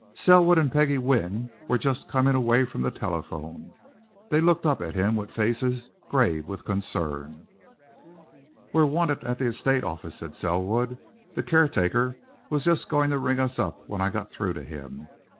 Selwood and Peggie Wynne were just coming away from the telephone; they looked up at him with faces grave with concern. "We're wanted at the estate office," said Selwood. "The caretaker was just going to ring us up when I got through to him.